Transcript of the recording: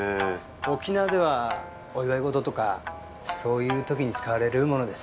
沖縄ではお祝いごととかそういうときに使われるものです。